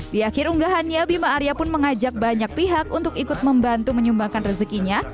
di akhir unggahannya bima arya pun mengajak banyak pihak untuk ikut membantu menyumbangkan rezekinya